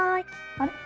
あれ？